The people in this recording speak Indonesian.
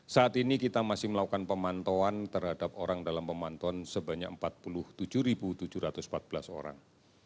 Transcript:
saat ini kita masih melakukan pemantauan terhadap orang dalam pemantauan sebanyak empat puluh tujuh tujuh ratus empat belas orang